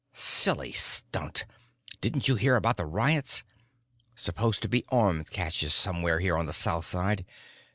"Silly stunt. Didn't you hear about the riots? Supposed to be arms caches somewhere here on the south side.